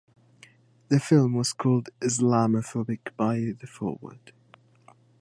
The film was called "Islamophobic" by The Forward.